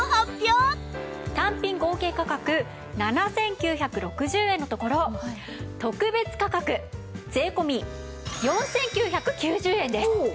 単品合計価格７９６０円のところ特別価格税込４９９０円です。